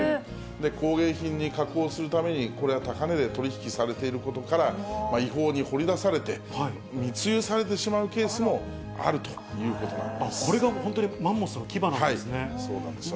工芸品に加工するために、これは高値で取り引きされていることから、違法に掘り出されて密輸されてしまうケースもあるということなんこれが本当にマンモスの牙なそうなんですよね。